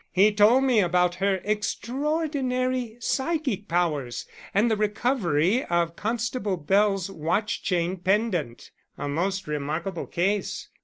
"He told me about her extraordinary psychic powers and the recovery of Constable Bell's watch chain pendant. A most remarkable case.